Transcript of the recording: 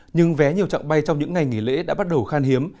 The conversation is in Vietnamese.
nhưng vé nhiều chặng bay trong những ngày nghỉ lễ đã bắt đầu khan hiếm